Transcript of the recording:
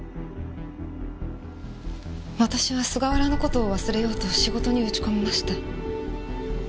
私は菅原の事を忘れようと仕事に打ち込みました。